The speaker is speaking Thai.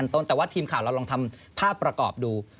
แต่ว่าทีมข่าวเราลองทำภาพประกอบดู